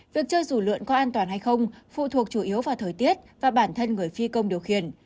việc chơi dù lượn có an toàn hay không phụ thuộc chủ yếu vào thời tiết và bản thân người phi công điều khiển